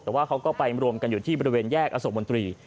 แต่ว่าเขาก็ไปรวมกันอยู่ที่บริเวณแยกอโศกมนตรี